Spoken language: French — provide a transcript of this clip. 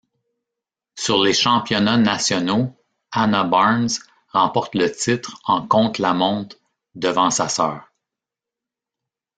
Sur les championnats nationaux, Hannah Barnes remporte le titre en contre-la-montre devant sa sœur.